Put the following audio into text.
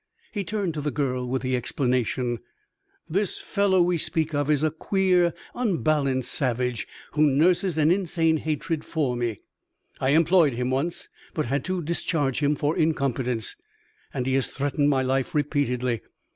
He turned to the girl with the explanation: "This fellow we speak of is a queer, unbalanced savage who nurses an insane hatred for me. I employed him once, but had to discharge him for incompetence, and he has threatened my life repeatedly.